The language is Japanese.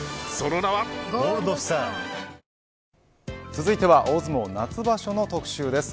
続いては大相撲夏場所の特集です。